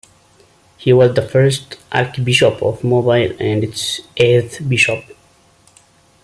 He was the first Archbishop of Mobile and its eighth bishop.